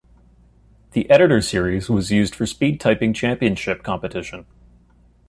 The Editor series was used for speed typing championship competition.